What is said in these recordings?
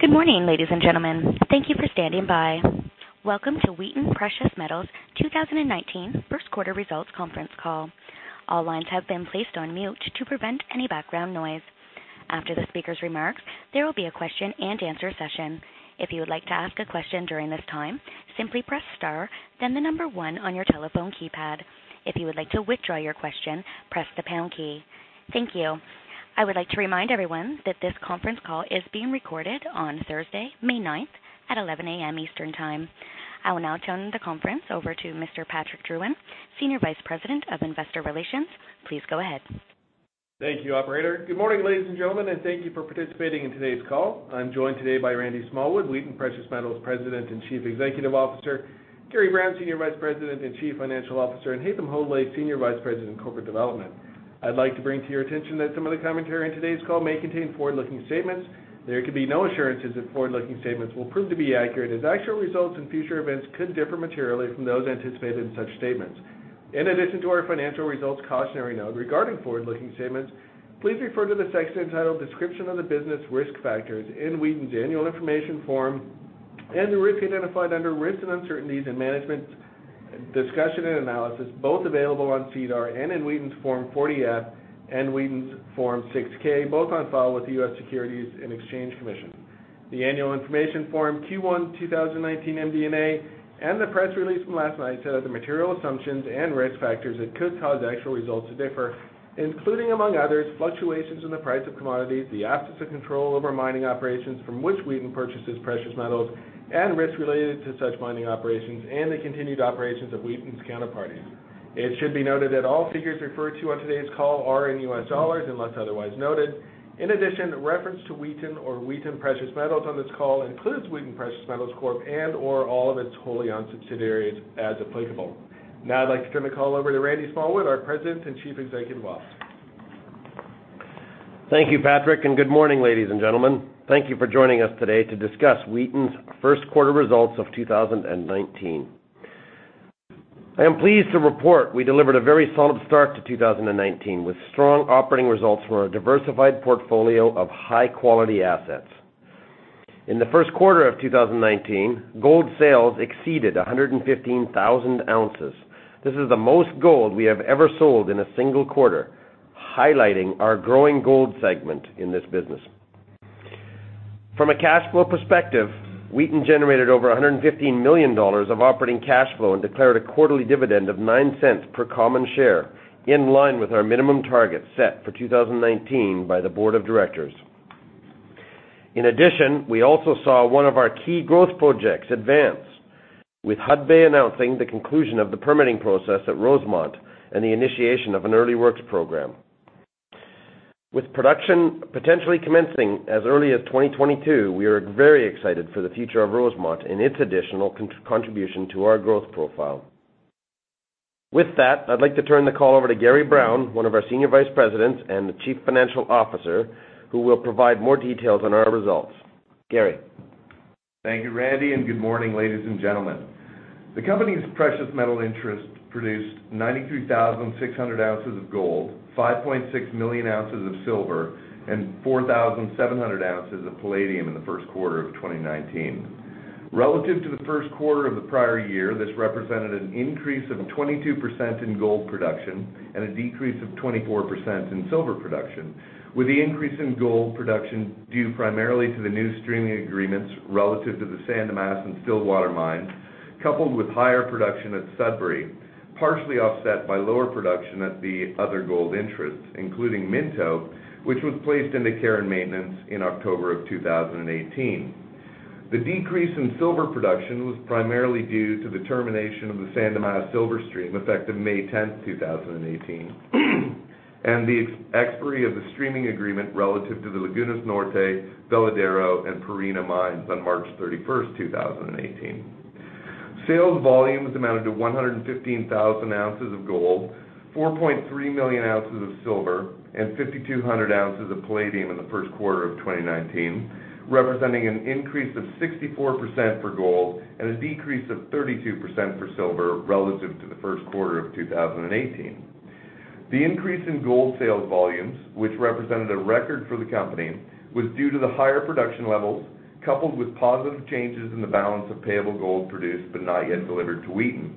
Good morning, ladies and gentlemen. Thank you for standing by. Welcome to Wheaton Precious Metals' 2019 first quarter results conference call. All lines have been placed on mute to prevent any background noise. After the speaker's remarks, there will be a question and answer session. If you would like to ask a question during this time, simply press Star, then the number One on your telephone keypad. If you would like to withdraw your question, press the pound key. Thank you. I would like to remind everyone that this conference call is being recorded on Thursday, May 9th at 11:00 A.M. Eastern Time. I will now turn the conference over to Mr. Patrick Drouin, Senior Vice President of Investor Relations. Please go ahead. Thank you, operator. Good morning, ladies and gentlemen, and thank you for participating in today's call. I'm joined today by Randy Smallwood, Wheaton Precious Metals President and Chief Executive Officer, Gary Brown, Senior Vice President and Chief Financial Officer, and Haytham Hodaly, Senior Vice President, Corporate Development. I'd like to bring to your attention that some of the commentary on today's call may contain forward-looking statements. There can be no assurances that forward-looking statements will prove to be accurate as actual results and future events could differ materially from those anticipated in such statements. In addition to our financial results cautionary note regarding forward-looking statements, please refer to the section entitled Description of the Business Risk Factors in Wheaton's annual information form and the risks identified under Risks and Uncertainties and Management Discussion and Analysis, both available on SEDAR and in Wheaton's Form 40-F and Wheaton's Form 6-K, both on file with the U.S. Securities and Exchange Commission. The annual information form Q1 2019 MD&A and the press release from last night set out the material assumptions and risk factors that could cause actual results to differ, including, among others, fluctuations in the price of commodities, the absence of control over mining operations from which Wheaton purchases precious metals and risks related to such mining operations and the continued operations of Wheaton's counterparties. It should be noted that all figures referred to on today's call are in US dollars unless otherwise noted. In addition, reference to Wheaton or Wheaton Precious Metals on this call includes Wheaton Precious Metals Corp and or all of its wholly owned subsidiaries, as applicable. I'd like to turn the call over to Randy Smallwood, our President and Chief Executive Officer. Thank you, Patrick, and good morning, ladies and gentlemen. Thank you for joining us today to discuss Wheaton's first quarter results of 2019. I am pleased to report we delivered a very solid start to 2019 with strong operating results from our diversified portfolio of high-quality assets. In the first quarter of 2019, gold sales exceeded 115,000 ounces. This is the most gold we have ever sold in a single quarter, highlighting our growing gold segment in this business. From a cash flow perspective, Wheaton generated over $115 million of operating cash flow and declared a quarterly dividend of $0.09 per common share, in line with our minimum target set for 2019 by the board of directors. In addition, we also saw one of our key growth projects advance with Hudbay announcing the conclusion of the permitting process at Rosemont and the initiation of an early works program. With production potentially commencing as early as 2022, we are very excited for the future of Rosemont and its additional contribution to our growth profile. With that, I'd like to turn the call over to Gary Brown, one of our Senior Vice Presidents and the Chief Financial Officer, who will provide more details on our results. Gary. Thank you, Randy, and good morning, ladies and gentlemen. The company's precious metal interest produced 93,600 ounces of gold, 5.6 million ounces of silver and 4,700 ounces of palladium in the first quarter of 2019. Relative to the first quarter of the prior year, this represented an increase of 22% in gold production and a decrease of 24% in silver production, with the increase in gold production due primarily to the new streaming agreements relative to the San Dimas and Stillwater mines, coupled with higher production at Sudbury, partially offset by lower production at the other gold interests, including Minto, which was placed into care and maintenance in October of 2018. The decrease in silver production was primarily due to the termination of the San Dimas silver stream effective May 10th, 2018, and the expiry of the streaming agreement relative to the Lagunas Norte, Veladero, and Pierina mines on March 31st, 2018. Sales volumes amounted to 115,000 ounces of gold, 4.3 million ounces of silver and 5,200 ounces of palladium in the first quarter of 2019, representing an increase of 64% for gold and a decrease of 32% for silver relative to the first quarter of 2018. The increase in gold sales volumes, which represented a record for the company, was due to the higher production levels, coupled with positive changes in the balance of payable gold produced but not yet delivered to Wheaton.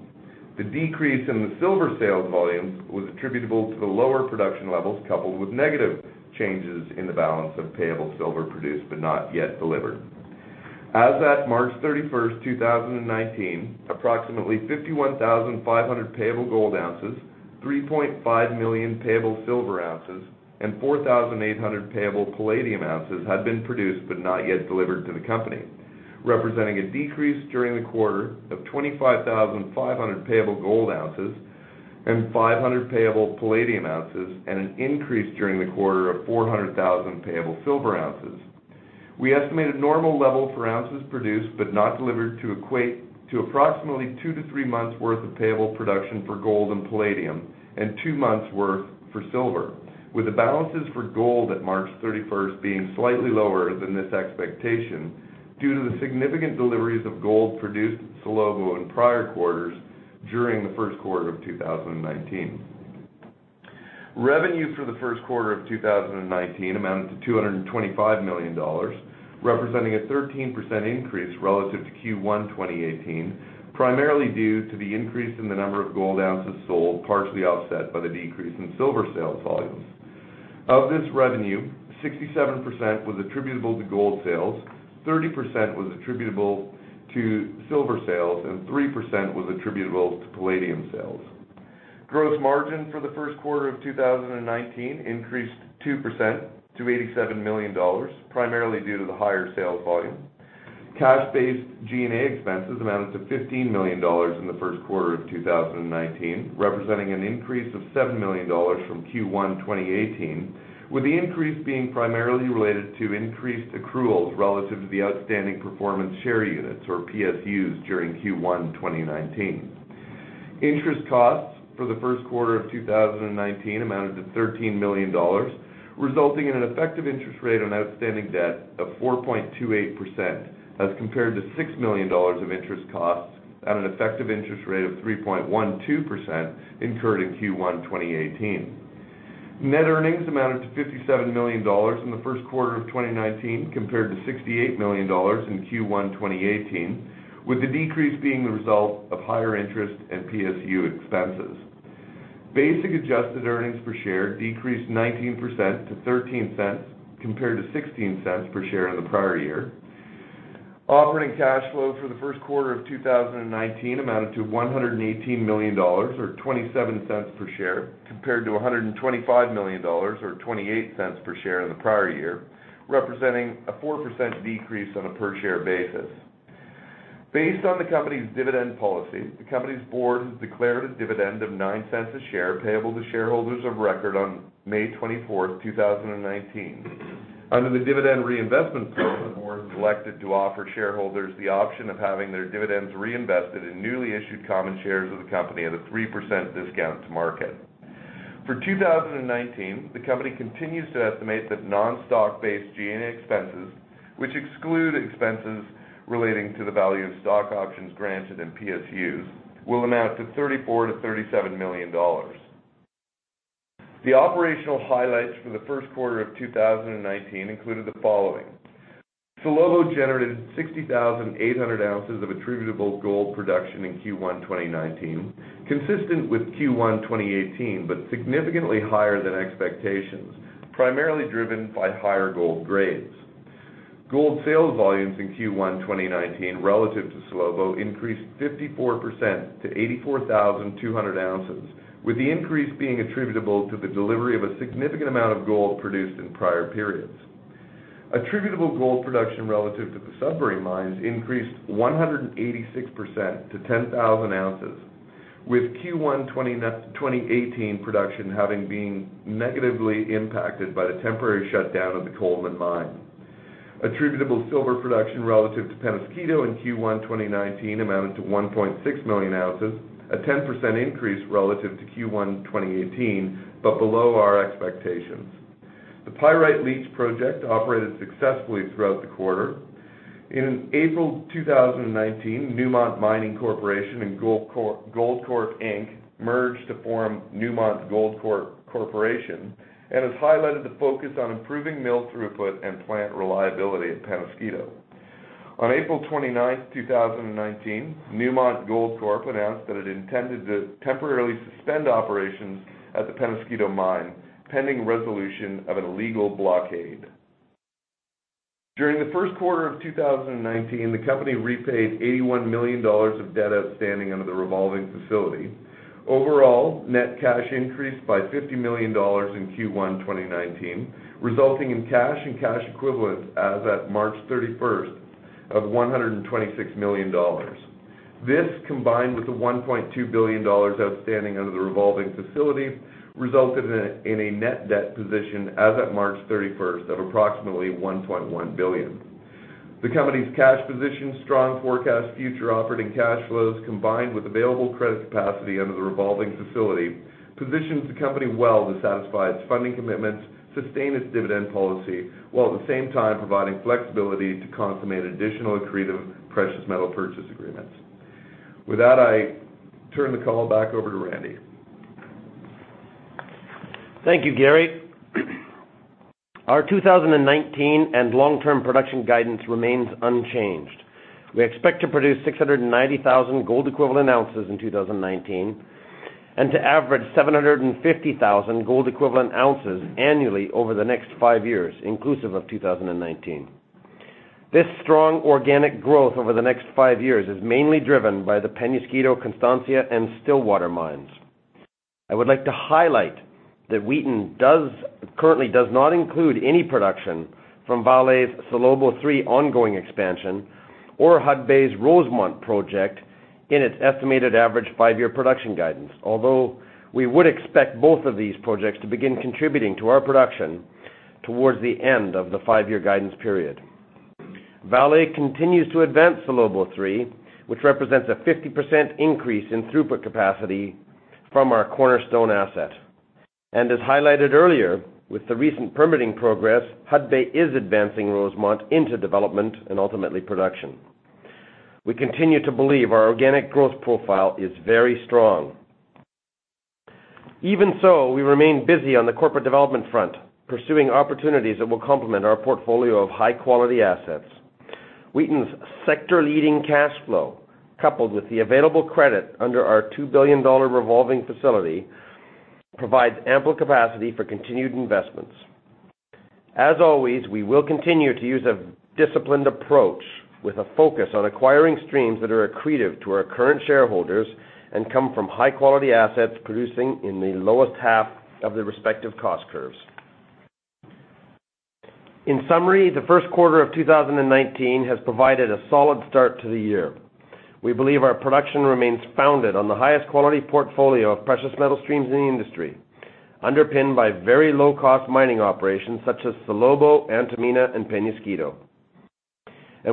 The decrease in the silver sales volume was attributable to the lower production levels, coupled with negative changes in the balance of payable silver produced but not yet delivered. As at March 31st, 2019, approximately 51,500 payable gold ounces, 3.5 million payable silver ounces, and 4,800 payable palladium ounces had been produced but not yet delivered to the company, representing a decrease during the quarter of 25,500 payable gold ounces and 500 payable palladium ounces, and an increase during the quarter of 400,000 payable silver ounces. We estimate a normal level for ounces produced but not delivered to equate to approximately two to three months worth of payable production for gold and palladium, and two months worth for silver, with the balances for gold at March 31st being slightly lower than this expectation due to the significant deliveries of gold produced at Salobo in prior quarters. During the first quarter of 2019. Revenue for the first quarter of 2019 amounted to $225 million, representing a 13% increase relative to Q1 2018, primarily due to the increase in the number of gold ounces sold, partially offset by the decrease in silver sales volumes. Of this revenue, 67% was attributable to gold sales, 30% was attributable to silver sales, and 3% was attributable to palladium sales. Gross margin for the first quarter of 2019 increased 2% to $87 million, primarily due to the higher sales volume. Cash-based G&A expenses amounted to $15 million in the first quarter of 2019, representing an increase of $7 million from Q1 2018, with the increase being primarily related to increased accruals relative to the outstanding Performance Share Units, or PSUs, during Q1 2019. Interest costs for the first quarter of 2019 amounted to $13 million, resulting in an effective interest rate on outstanding debt of 4.28%, as compared to $6 million of interest costs at an effective interest rate of 3.12% incurred in Q1 2018. Net earnings amounted to $57 million in the first quarter of 2019 compared to $68 million in Q1 2018, with the decrease being the result of higher interest and PSU expenses. Basic adjusted earnings per share decreased 19% to $0.13 compared to $0.16 per share in the prior year. Operating cash flow for the first quarter of 2019 amounted to $118 million, or $0.27 per share, compared to $125 million or $0.28 per share in the prior year, representing a 4% decrease on a per share basis. Based on the company's dividend policy, the company's board has declared a dividend of $0.09 a share payable to shareholders of record on May 24th, 2019. Under the dividend reinvestment plan, the board has elected to offer shareholders the option of having their dividends reinvested in newly issued common shares of the company at a 3% discount to market. For 2019, the company continues to estimate that non-stock-based G&A expenses, which exclude expenses relating to the value of stock options granted in PSUs, will amount to $34 million-$37 million. The operational highlights for the first quarter of 2019 included the following. Salobo generated 60,800 ounces of attributable gold production in Q1 2019, consistent with Q1 2018, but significantly higher than expectations, primarily driven by higher gold grades. Gold sales volumes in Q1 2019 relative to Salobo increased 54% to 84,200 ounces, with the increase being attributable to the delivery of a significant amount of gold produced in prior periods. Attributable gold production relative to the Sudbury mines increased 186% to 10,000 ounces, with Q1 2018 production having been negatively impacted by the temporary shutdown of the Coleman mine. Attributable silver production relative to Peñasquito in Q1 2019 amounted to 1.6 million ounces, a 10% increase relative to Q1 2018, but below our expectations. The Pyrite Leach project operated successfully throughout the quarter. In April 2019, Newmont Mining Corporation and Goldcorp Inc. merged to form Newmont Goldcorp Corporation and has highlighted the focus on improving mill throughput and plant reliability at Peñasquito. On April 29th, 2019, Newmont Goldcorp announced that it intended to temporarily suspend operations at the Peñasquito mine, pending resolution of an illegal blockade. During the first quarter of 2019, the company repaid $81 million of debt outstanding under the revolving facility. Overall, net cash increased by $50 million in Q1 2019, resulting in cash and cash equivalents as at March 31st of $126 million. This, combined with the $1.2 billion outstanding under the revolving facility, resulted in a net debt position as at March 31st of approximately $1.1 billion. The company's cash position, strong forecast future operating cash flows, combined with available credit capacity under the revolving facility, positions the company well to satisfy its funding commitments, sustain its dividend policy, while at the same time providing flexibility to consummate additional accretive precious metal purchase agreements. With that, I turn the call back over to Randy. Thank you, Gary. Our 2019 and long-term production guidance remains unchanged. We expect to produce 690,000 gold equivalent ounces in 2019, and to average 750,000 gold equivalent ounces annually over the next five years, inclusive of 2019. This strong organic growth over the next five years is mainly driven by the Peñasquito, Constancia, and Stillwater mines. I would like to highlight that Wheaton currently does not include any production from Vale's Salobo 3 ongoing expansion or Hudbay's Rosemont project in its estimated average five-year production guidance. Although we would expect both of these projects to begin contributing to our production towards the end of the five-year guidance period. Vale continues to advance Salobo 3, which represents a 50% increase in throughput capacity from our cornerstone asset. As highlighted earlier, with the recent permitting progress, Hudbay is advancing Rosemont into development and ultimately production. We continue to believe our organic growth profile is very strong. Even so, we remain busy on the corporate development front, pursuing opportunities that will complement our portfolio of high-quality assets. Wheaton's sector leading cash flow, coupled with the available credit under our $2 billion revolving facility, provides ample capacity for continued investments. As always, we will continue to use a disciplined approach with a focus on acquiring streams that are accretive to our current shareholders and come from high-quality assets producing in the lowest half of the respective cost curves. In summary, the first quarter of 2019 has provided a solid start to the year. We believe our production remains founded on the highest quality portfolio of precious metal streams in the industry, underpinned by very low-cost mining operations such as Salobo, Antamina, and Peñasquito.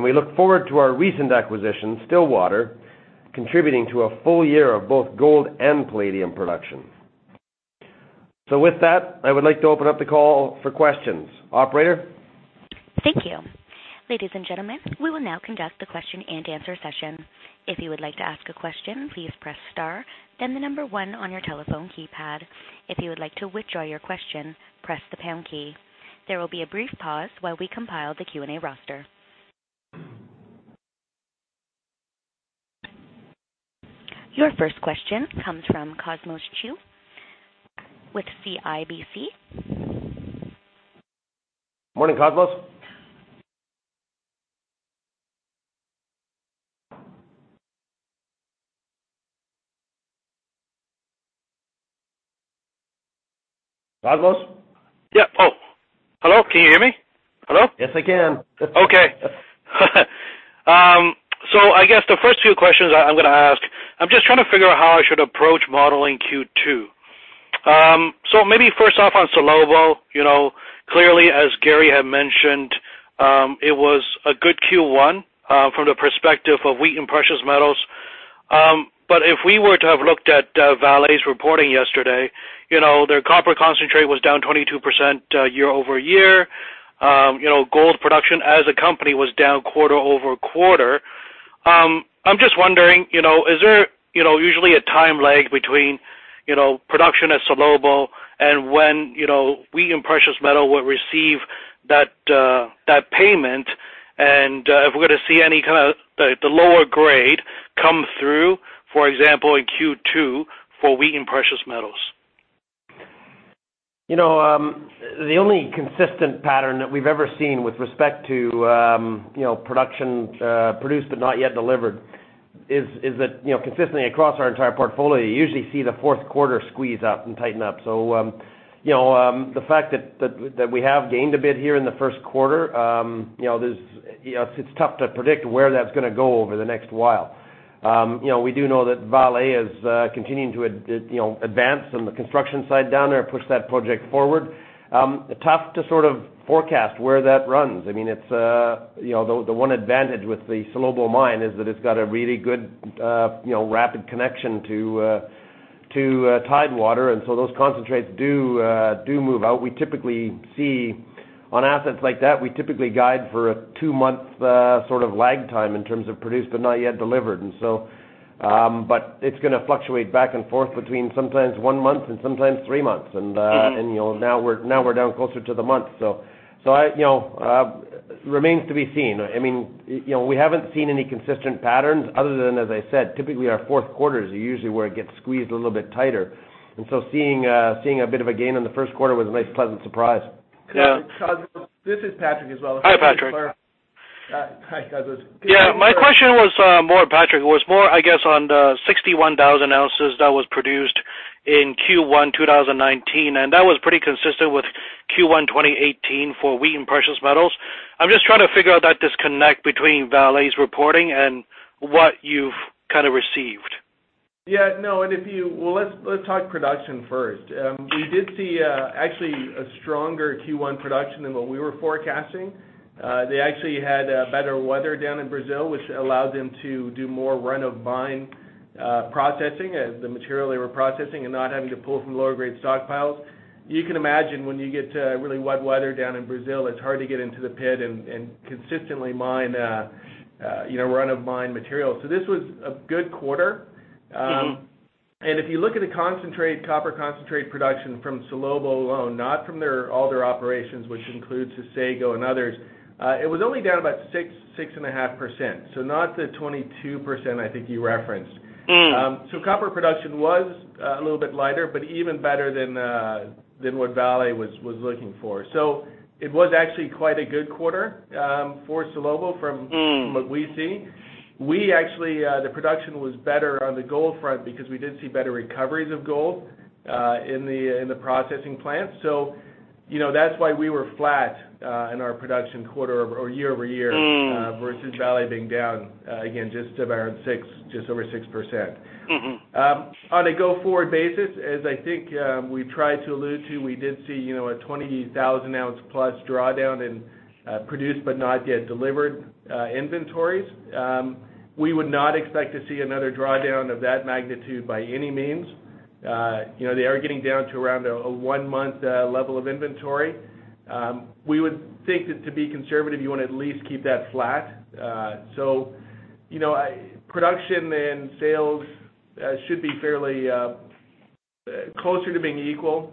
We look forward to our recent acquisition, Stillwater, contributing to a full year of both gold and palladium production. With that, I would like to open up the call for questions. Operator? Thank you. Ladies and gentlemen, we will now conduct the question-and-answer session. If you would like to ask a question, please press star, then the number 1 on your telephone keypad. If you would like to withdraw your question, press the pound key. There will be a brief pause while we compile the Q&A roster. Your first question comes from Cosmos Chiu with CIBC. Morning, Cosmos. Cosmos? Yeah. Oh, hello? Can you hear me? Hello? Yes, I can. I guess the first few questions I'm going to ask, I'm just trying to figure out how I should approach modeling Q2. Maybe first off on Salobo, clearly, as Gary had mentioned, it was a good Q1, from the perspective of Wheaton Precious Metals. But if we were to have looked at Vale's reporting yesterday, their copper concentrate was down 22% year-over-year. Gold production as a company was down quarter-over-quarter. I'm just wondering, is there usually a time lag between production at Salobo and when Wheaton Precious Metals will receive that payment and if we're going to see any kind of the lower grade come through, for example, in Q2 for Wheaton Precious Metals? The only consistent pattern that we've ever seen with respect to produced but not yet delivered is that consistently across our entire portfolio, you usually see the fourth quarter squeeze up and tighten up. The fact that we have gained a bit here in the first quarter, it's tough to predict where that's going to go over the next while. We do know that Vale is continuing to advance on the construction side down there, push that project forward. Tough to sort of forecast where that runs. I mean, the one advantage with the Salobo mine is that it's got a really good rapid connection to Tidewater, and so those concentrates do move out. On assets like that, we typically guide for a two-month sort of lag time in terms of produced but not yet delivered, but it's going to fluctuate back and forth between sometimes one month and sometimes three months. Now we're down closer to the month, remains to be seen. We haven't seen any consistent patterns other than, as I said, typically our fourth quarters are usually where it gets squeezed a little bit tighter. Seeing a bit of a gain in the first quarter was a nice, pleasant surprise. Yeah. Cosmos, this is Patrick as well. Hi, Patrick. Hi, Cosmos. Yeah. My question, Patrick, was more, I guess, on the 61,000 ounces that was produced in Q1 2019, and that was pretty consistent with Q1 2018 for Wheaton Precious Metals. I'm just trying to figure out that disconnect between Vale's reporting and what you've kind of received. Yeah. Well, let's talk production first. We did see actually a stronger Q1 production than what we were forecasting. They actually had better weather down in Brazil, which allowed them to do more run-of-mine processing as the material they were processing and not having to pull from lower grade stockpiles. You can imagine when you get to really wet weather down in Brazil, it's hard to get into the pit and consistently mine run-of-mine material. This was a good quarter. If you look at the copper concentrate production from Salobo alone, not from all their operations, which includes Sossego and others, it was only down about 6.5%, not the 22% I think you referenced. Copper production was a little bit lighter, but even better than what Vale was looking for. It was actually quite a good quarter for Salobo from what we see. The production was better on the gold front because we did see better recoveries of gold in the processing plant. That's why we were flat in our production year-over-year versus Vale being down, again, just over 6%. On a go-forward basis, as I think we tried to allude to. We did see a 20,000-ounce plus drawdown in produced but not yet delivered inventories. We would not expect to see another drawdown of that magnitude by any means. They are getting down to around a one-month level of inventory. We would think that to be conservative, you want to at least keep that flat. Production and sales should be fairly closer to being equal.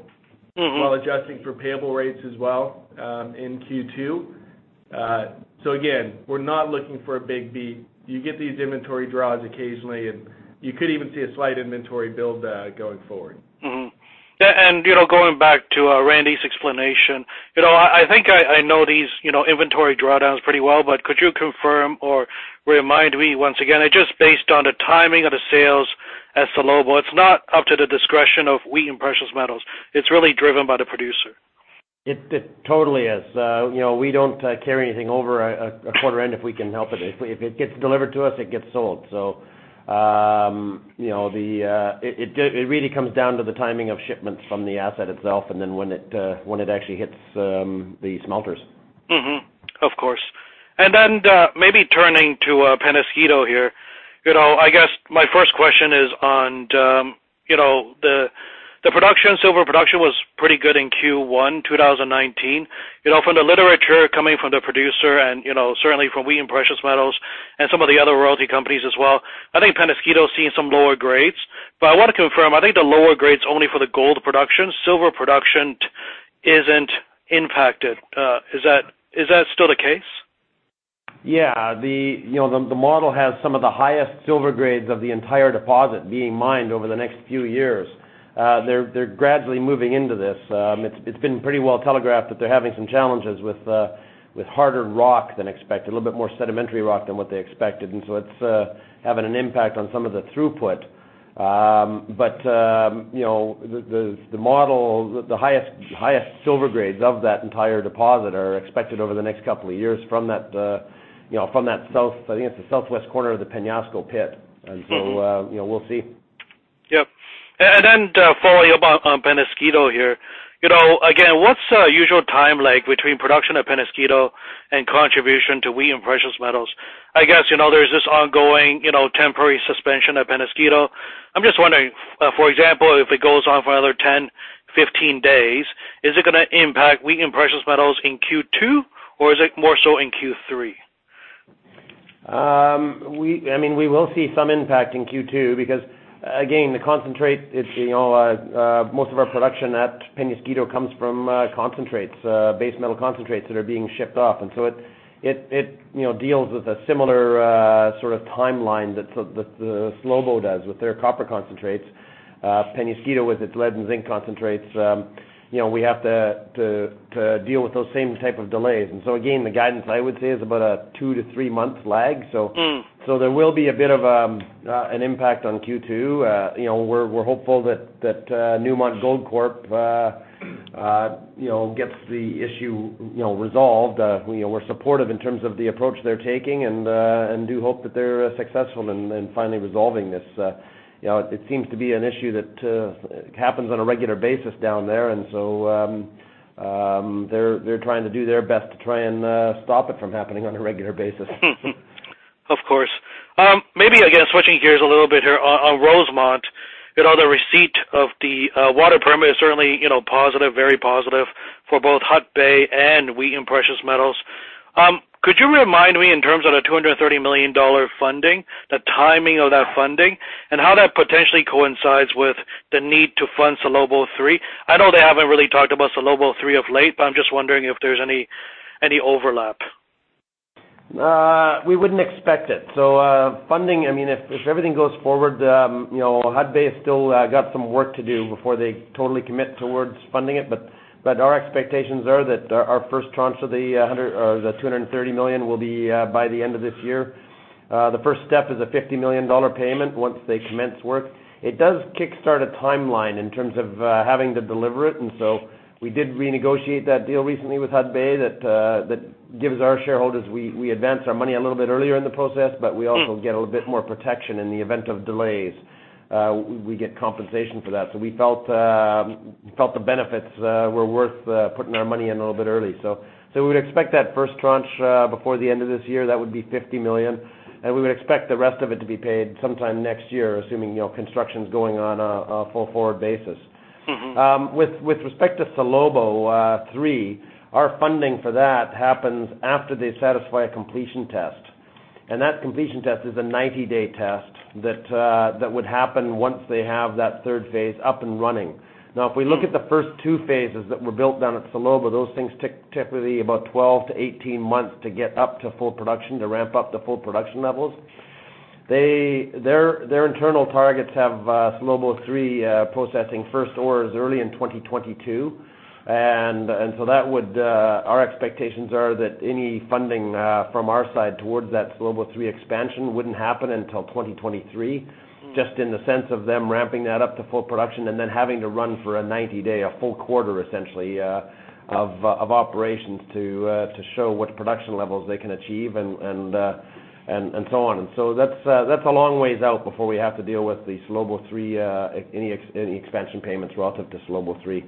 While adjusting for payable rates as well in Q2. Again, we're not looking for a big beat. You get these inventory draws occasionally, and you could even see a slight inventory build going forward. Going back to Randy's explanation, I think I know these inventory drawdowns pretty well, but could you confirm or remind me once again? Just based on the timing of the sales at Salobo, it's not up to the discretion of Wheaton Precious Metals. It's really driven by the producer. It totally is. We don't carry anything over a quarter end if we can help it. If it gets delivered to us, it gets sold. It really comes down to the timing of shipments from the asset itself and then when it actually hits the smelters. Of course. Then maybe turning to Peñasquito here. I guess my first question is on the production. Silver production was pretty good in Q1 2019. From the literature coming from the producer and certainly from Wheaton Precious Metals and some of the other royalty companies as well, I think Peñasquito is seeing some lower grades. I want to confirm, I think the lower grade's only for the gold production. Silver production isn't impacted. Is that still the case? Yeah. The model has some of the highest silver grades of the entire deposit being mined over the next few years. They're gradually moving into this. It's been pretty well telegraphed that they're having some challenges with harder rock than expected, a little bit more sedimentary rock than what they expected. It's having an impact on some of the throughput. The highest silver grades of that entire deposit are expected over the next couple of years from that south, I think it's the southwest corner of the Peñasquito pit. We'll see. Yep. Following up on Peñasquito here. Again, what's the usual time lag between production at Peñasquito and contribution to Wheaton Precious Metals? I guess, there's this ongoing temporary suspension at Peñasquito. I'm just wondering, for example, if it goes on for another 10, 15 days, is it going to impact Wheaton Precious Metals in Q2, or is it more so in Q3? We will see some impact in Q2 because, again, most of our production at Peñasquito comes from concentrates, base metal concentrates that are being shipped off. It deals with a similar sort of timeline that Salobo does with their copper concentrates. Peñasquito, with its lead and zinc concentrates, we have to deal with those same type of delays. Again, the guidance I would say is about a two to three-month lag. There will be a bit of an impact on Q2. We're hopeful that Newmont Goldcorp gets the issue resolved. We're supportive in terms of the approach they're taking and do hope that they're successful in finally resolving this. It seems to be an issue that happens on a regular basis down there. They're trying to do their best to try and stop it from happening on a regular basis. Of course. Maybe, again, switching gears a little bit here on Rosemont. The receipt of the water permit is certainly positive, very positive for both Hudbay and Wheaton Precious Metals. Could you remind me, in terms of the $230 million funding, the timing of that funding and how that potentially coincides with the need to fund Salobo 3? I know they haven't really talked about Salobo 3 of late, I'm just wondering if there's any overlap. We wouldn't expect it. Funding, if everything goes forward, Hudbay has still got some work to do before they totally commit towards funding it. Our expectations are that our first tranche of the $230 million will be by the end of this year. The first step is a $50 million payment once they commence work. It does kickstart a timeline in terms of having to deliver it, we did renegotiate that deal recently with Hudbay. That gives our shareholders, we advance our money a little bit earlier in the process, we also get a little bit more protection in the event of delays. We get compensation for that. We felt the benefits were worth putting our money in a little bit early. We would expect that first tranche before the end of this year. That would be $50 million, we would expect the rest of it to be paid sometime next year, assuming construction's going on a full-forward basis. With respect to Salobo 3, our funding for that happens after they satisfy a completion test. That completion test is a 90-day test that would happen once they have that third phase up and running. Now, if we look at the first two phases that were built down at Salobo, those things took typically about 12 to 18 months to get up to full production, to ramp up to full production levels. Their internal targets have Salobo 3 processing first ore as early in 2022. Our expectations are that any funding from our side towards that Salobo 3 expansion wouldn't happen until 2023, just in the sense of them ramping that up to full production and then having to run for a 90-day, a full quarter, essentially, of operations to show what production levels they can achieve and so on. that's a long ways out before we have to deal with any expansion payments relative to Salobo 3.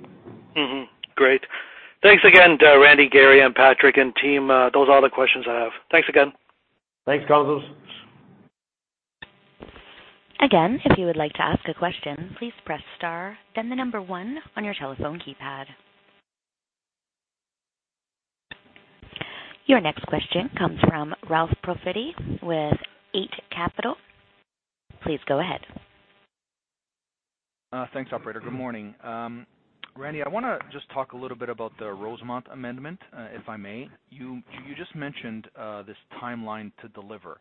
Great. Thanks again, Randy, Gary, and Patrick, and team. Those are all the questions I have. Thanks again. Thanks, Cosmos. Again, if you would like to ask a question, please press star, then the number one on your telephone keypad. Your next question comes from Ralph Profiti with Eight Capital. Please go ahead. Thanks, operator. Good morning. Randy, I want to just talk a little bit about the Rosemont amendment, if I may. You just mentioned this timeline to deliver.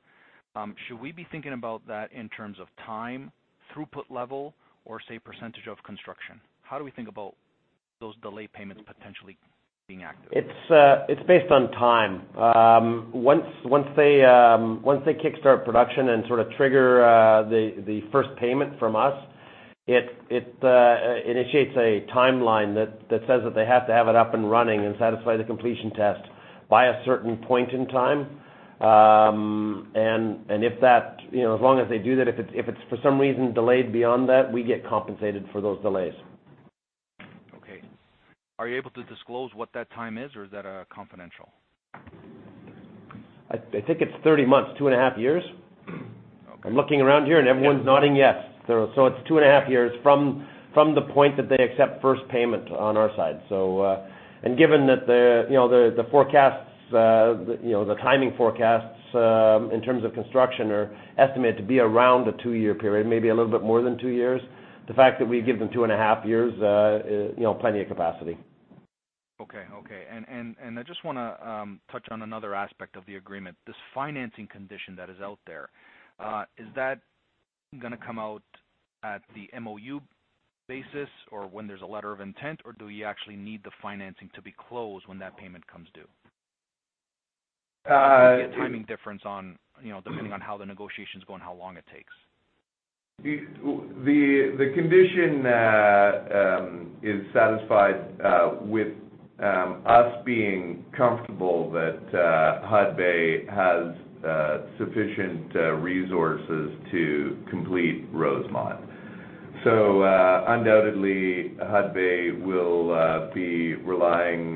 Should we be thinking about that in terms of time, throughput level, or say, percentage of construction? How do we think about those delay payments potentially being active? It's based on time. Once they kickstart production and sort of trigger the first payment from us, it initiates a timeline that says that they have to have it up and running and satisfy the completion test by a certain point in time. As long as they do that, if it's for some reason delayed beyond that, we get compensated for those delays. Okay. Are you able to disclose what that time is, or is that confidential? I think it's 30 months, two and a half years. Okay. I'm looking around here, everyone's nodding yes. It's two and a half years from the point that they accept first payment on our side. Given that the timing forecasts in terms of construction are estimated to be around a two-year period, maybe a little bit more than two years, the fact that we give them two and a half years is plenty of capacity. Okay. I just want to touch on another aspect of the agreement. This financing condition that is out there, is that going to come out at the MoU basis or when there's a letter of intent, or do you actually need the financing to be closed when that payment comes due? A timing difference depending on how the negotiations go and how long it takes. The condition is satisfied with us being comfortable that Hudbay has sufficient resources to complete Rosemont. Undoubtedly Hudbay will be relying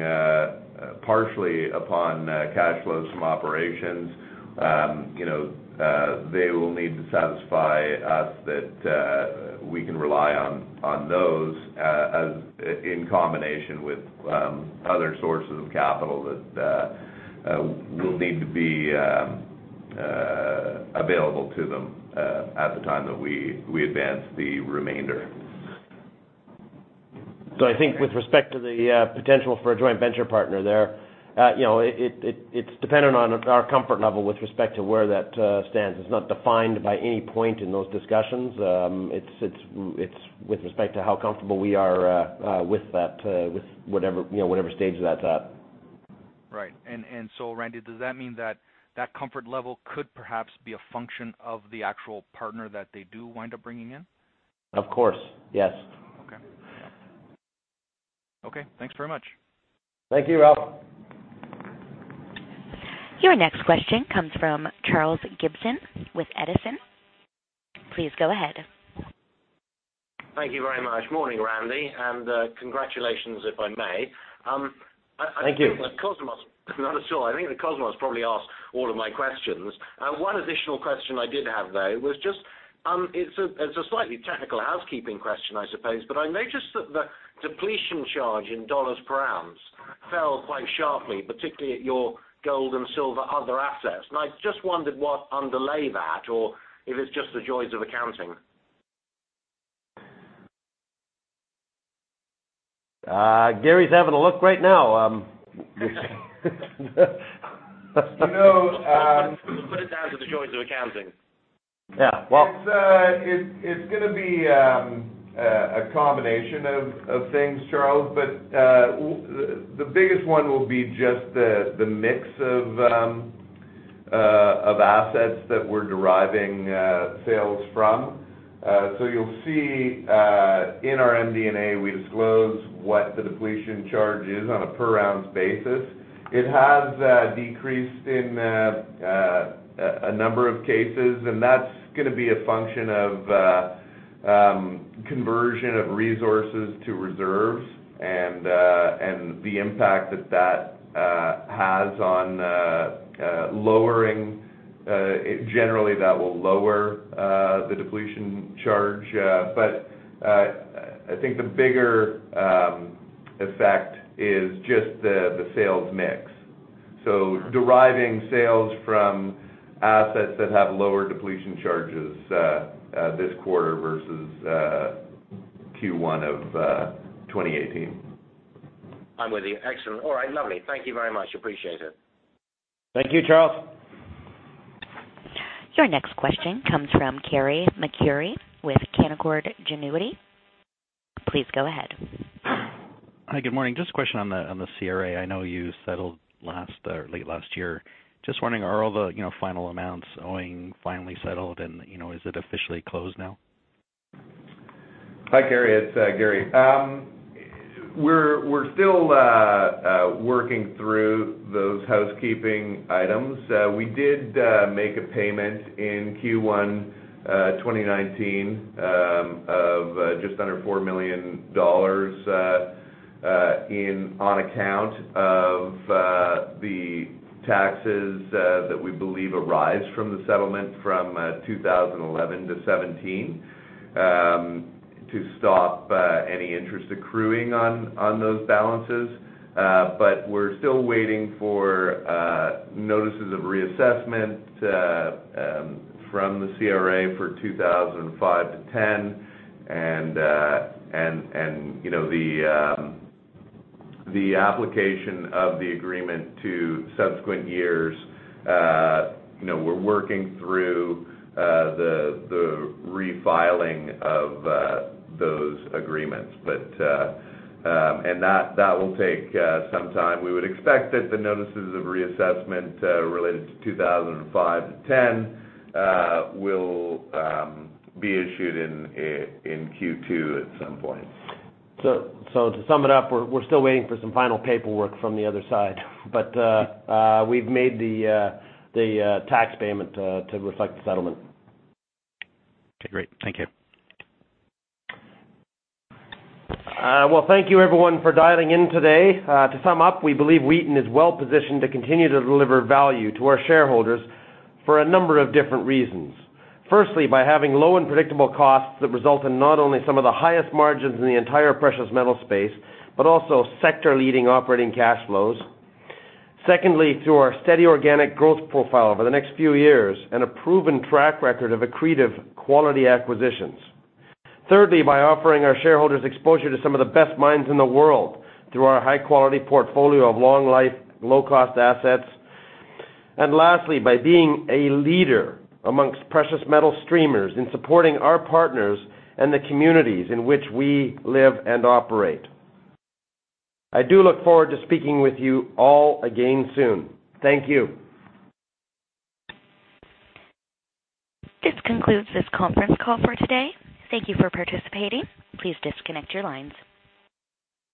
partially upon cash flows from operations. They will need to satisfy us that we can rely on those in combination with other sources of capital that will need to be available to them at the time that we advance the remainder. I think with respect to the potential for a joint venture partner there, it's dependent on our comfort level with respect to where that stands. It's not defined by any point in those discussions. It's with respect to how comfortable we are with whatever stage that's at. Right. Randy, does that mean that that comfort level could perhaps be a function of the actual partner that they do wind up bringing in? Of course, yes. Okay. Thanks very much. Thank you, Ralph. Your next question comes from Charles Gibson with Edison. Please go ahead. Thank you very much. Morning, Randy, and congratulations, if I may. Thank you. I think that Cosmos, not at all, I think that Cosmos probably asked all of my questions. One additional question I did have, though, it's a slightly technical housekeeping question, I suppose, but I noticed that the depletion charge in $ per ounce fell quite sharply, particularly at your gold and silver other assets. I just wondered what underlay that, or if it's just the joys of accounting. Gary's having a look right now. We'll put it down to the joys of accounting. Yeah. It's going to be a combination of things, Charles. The biggest one will be just the mix of assets that we're deriving sales from. You'll see in our MD&A, we disclose what the depletion charge is on a per-ounce basis. It has decreased in a number of cases, and that's going to be a function of conversion of resources to reserves and the impact that that has on lowering Generally, that will lower the depletion charge. I think the bigger effect is just the sales mix. Deriving sales from assets that have lower depletion charges this quarter versus Q1 of 2018. I'm with you. Excellent. All right, lovely. Thank you very much. Appreciate it. Thank you, Charles. Your next question comes from Carey MacRury with Canaccord Genuity. Please go ahead. Hi, good morning. Just a question on the CRA. I know you settled late last year. Just wondering, are all the final amounts owing finally settled, and is it officially closed now? Hi, Carey. It's Gary. We're still working through those housekeeping items. We did make a payment in Q1 2019 of just under $4 million. On account of the taxes that we believe arise from the settlement from 2011 to 2017, to stop any interest accruing on those balances. We're still waiting for notices of reassessment from the CRA for 2005 to 2010. The application of the agreement to subsequent years, we're working through the refiling of those agreements. That will take some time. We would expect that the notices of reassessment related to 2005 to 2010 will be issued in Q2 at some point. To sum it up, we're still waiting for some final paperwork from the other side, but we've made the tax payment to reflect the settlement. Okay, great. Thank you. Well, thank you everyone for dialing in today. To sum up, we believe Wheaton is well positioned to continue to deliver value to our shareholders for a number of different reasons. Firstly, by having low and predictable costs that result in not only some of the highest margins in the entire precious metal space, but also sector leading operating cash flows. Secondly, through our steady organic growth profile over the next few years and a proven track record of accretive quality acquisitions. Thirdly, by offering our shareholders exposure to some of the best mines in the world through our high quality portfolio of long life, low cost assets. Lastly, by being a leader amongst precious metal streamers in supporting our partners and the communities in which we live and operate. I do look forward to speaking with you all again soon. Thank you. This concludes this conference call for today. Thank you for participating. Please disconnect your lines.